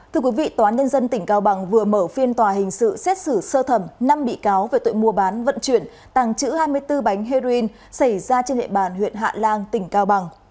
thưa quý vị tòa nhân dân tỉnh cao bằng vừa mở phiên tòa hình sự xét xử sơ thẩm năm bị cáo về tội mua bán vận chuyển tàng trữ hai mươi bốn bánh heroin xảy ra trên hệ bàn huyện hạ lan tỉnh cao bằng